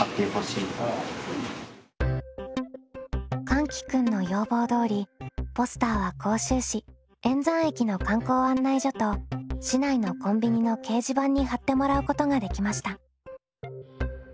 かんき君の要望どおりポスターは甲州市塩山駅の観光案内所と市内のコンビニの掲示板に貼ってもらうことができました。